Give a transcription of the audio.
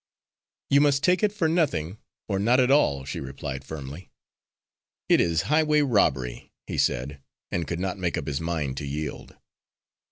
"You must take it for nothing, or not at all," she replied firmly. "It is highway robbery," he said, and could not make up his mind to yield.